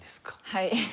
はい。